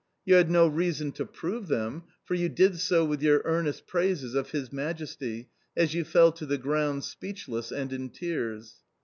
You had no reason to prove them, for you did so with your earnest praises of His majesty as you fell to the ground speechless and in tears!